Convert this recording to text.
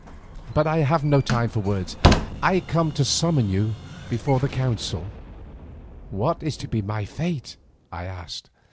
But I have no time for words. I came to summon you before the council." "What is to be my fate?" I asked.